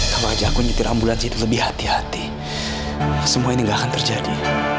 kalau aku nyetir ambulansi itu lebih hati hati semua ini tidak akan terjadi